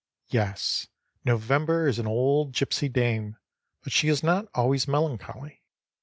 Yes, November is an old gypsy dame, but she is not always melancholy.